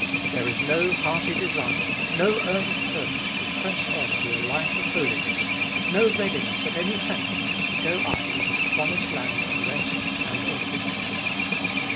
There is no hearty desire, no earnest purpose to press on to a life of holiness, no readiness at any sacrifice to go up into the promised land of rest and of victory.